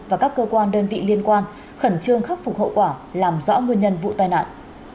và các cơ quan đơn vị liên quan khẩn trương khắc phục hậu quả làm rõ nguyên nhân vụ tai nạn